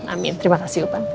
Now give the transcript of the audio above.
amin terima kasih ibu panti